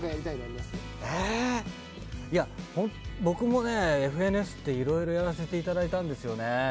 僕もね『ＦＮＳ』って色々やらせていただいたんですよ。